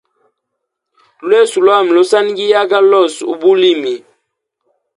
Lweso lwami losanigiaga lose ubulimi.